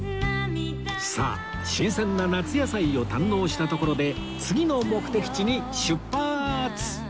さあ新鮮な夏野菜を堪能したところで次の目的地に出発！